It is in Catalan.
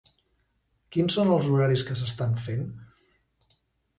Quins son els horaris que s'estan fent?